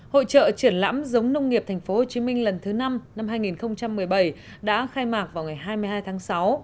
hội trợ triển lãm giống nông nghiệp tp hcm lần thứ năm năm hai nghìn một mươi bảy đã khai mạc vào ngày hai mươi hai tháng sáu